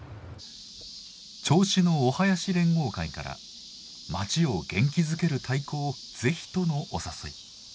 銚子のお囃子連合会から「町を元気づける太鼓を是非」とのお誘い。